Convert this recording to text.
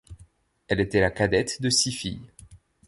Elle était la cadette de six filles.